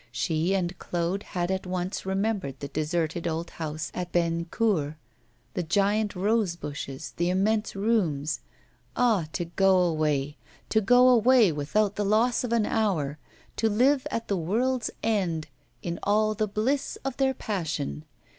She and Claude had at once remembered the deserted old house at Bennecourt, the giant rose bushes, the immense rooms. Ah! to go away, to go away without the loss of an hour, to live at the world's end in all the bliss of their passion!